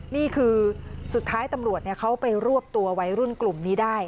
นี่คือสุดท้ายตำรวจเขาไปรวบตัววัยรุ่นกลุ่มนี้ได้